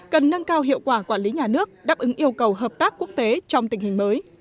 cần nâng cao hiệu quả quản lý nhà nước đáp ứng yêu cầu hợp tác quốc tế trong tình hình mới